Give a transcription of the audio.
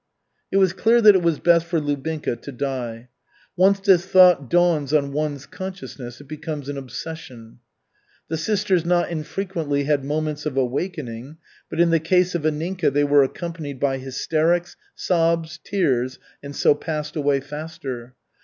It was clear that it was best for Lubinka to die. Once this thought dawns on one's consciousness, it becomes an obsession. The sisters not infrequently had moments of awakening, but in the case of Anninka they were accompanied by hysterics, sobs, tears, and so passed away faster.